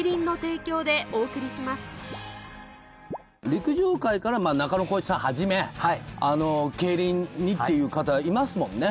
陸上界から中野浩一さんはじめ競輪にっていう方いますもんね。